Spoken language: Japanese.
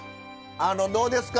どうですか？